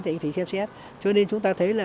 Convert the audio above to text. thì anh phải xem xét cho nên chúng ta thấy là